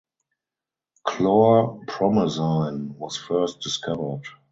Chlorpromazine was first discovered.